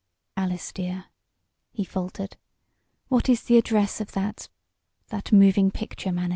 "Alice, dear," he faltered, "What is the address of that that moving picture manager?"